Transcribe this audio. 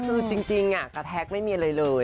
คือจริงกระแทกไม่มีอะไรเลย